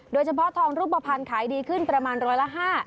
โดยเฉพาะทองรูปภัณฑ์ขายดีขึ้นประมาณร้อยละ๕